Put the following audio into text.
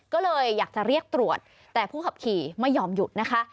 ก็เลยอยากจะเรียกตรวจแต่ผู้ขับขี่ไม่ยอมหยุดนะคะ